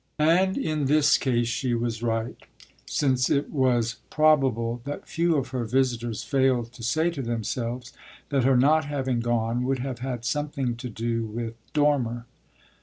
And in this case she was right, since it is probable that few of her visitors failed to say to themselves that her not having gone would have had something to do with Dormer.